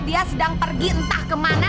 dia sedang pergi entah kemana